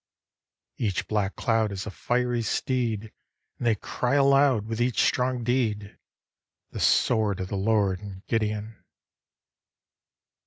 Each black cloud Is a fiery steed. And they cry aloud With each strong deed, "The sword of the Lord and Gideon."